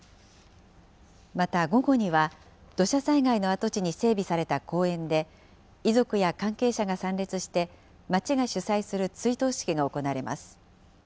また午後には、土砂災害の跡地に整備された公園で、遺族や関係者が参列して、町が主催する追悼式が行われます。